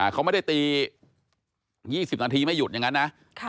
เขาไม่ได้ตี๒๐นาทีไม่หยุดอย่างนั้นนะ